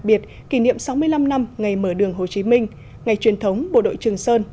biệt kỷ niệm sáu mươi năm năm ngày mở đường hồ chí minh ngày truyền thống bộ đội trường sơn